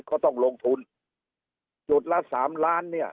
เขาต้องลงทุนจุดละสามล้านเนี่ย